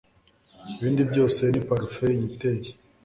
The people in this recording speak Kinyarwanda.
Ibindi byose ni parufe yiteye